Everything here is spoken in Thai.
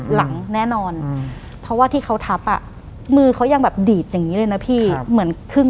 หลังจากนั้นเราไม่ได้คุยกันนะคะเดินเข้าบ้านอืม